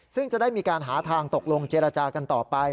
ซึ่งจะได้มีการหาทางตกลงเจรจากันต่อไป